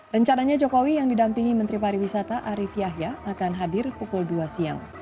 rencananya jokowi yang didampingi menteri pariwisata arief yahya akan hadir pukul dua siang